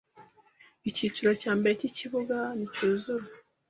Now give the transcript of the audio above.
Icyiciro cya mbere cy’ikibuga nicyuzura,